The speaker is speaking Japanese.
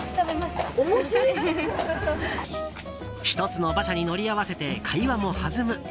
１つの馬車に乗り合わせて会話も弾む。